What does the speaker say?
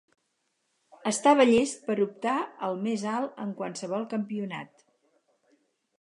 Estava llest per optar al més alt en qualsevol campionat.